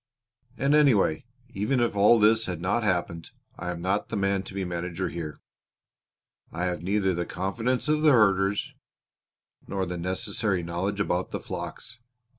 And anyway, even if all this had not happened, I am not the man to be manager here. I have neither the confidence of the herders, nor the necessary knowledge about the flocks.